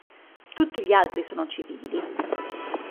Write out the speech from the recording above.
Tutti gli altri sono civili.